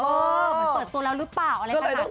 เหมือนเปิดตัวแล้วหรือเปล่าอะไรขนาดนั้น